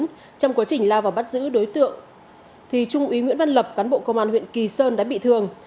trong quá trình lao vào bắt giữ đối tượng trung úy nguyễn văn lập cán bộ công an huyện kỳ sơn đã bị thương